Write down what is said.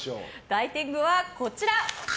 大天狗はこちら。